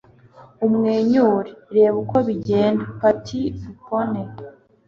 umwenyure. reba uko bigenda. - patti lupone